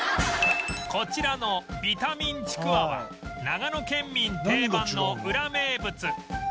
こちらのビタミンちくわは長野県民定番のウラ名物